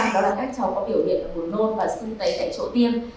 đó là các cháu có biểu hiện buồn nôn và sưng tấy tại chỗ tiêm